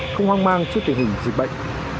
không hoang mang trước tình hình dịch bệnh